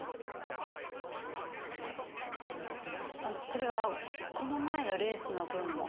それはこの前のレースの分も？